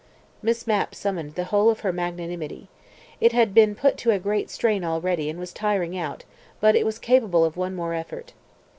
Miss Mapp summoned the whole of her magnanimity. It had been put to a great strain already and was tired out, but it was capable of one more effort.